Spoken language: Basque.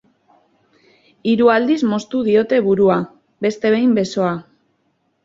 Hiru aldiz moztu diote burua, beste behin besoa.